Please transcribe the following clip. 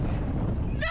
何？